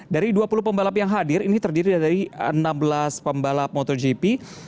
dari dua puluh pembalap yang hadir ini terdiri dari enam belas pembalap motogp